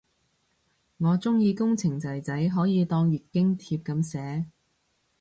我鍾意工程仔仔可以當月經帖噉寫